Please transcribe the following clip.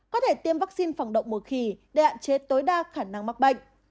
có thể tiêm vaccine phòng đậu mùa khỉ để hạn chế tối đa khả năng mắc bệnh